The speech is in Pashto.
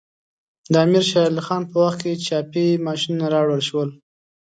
د امیر شیر علی خان په وخت کې چاپي ماشینونه راوړل شول.